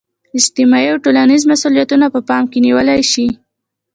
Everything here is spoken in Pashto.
اجتماعي او ټولنیز مسولیتونه په پام کې نیول شي.